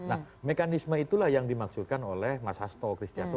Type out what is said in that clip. nah mekanisme itulah yang dimaksudkan oleh mas hasto kristianto